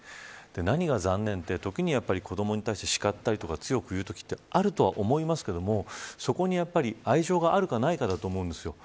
何が残念かというと時に子どもに、しかったり強く言うときもあると思いますがそこに愛情があるかないかだと思うのです。